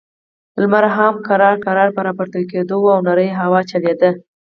لمر هم ورو، ورو په راپورته کېدو و، نرۍ هوا چلېده.